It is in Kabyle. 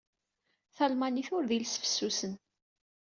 Talmanit ur d iles fessusen.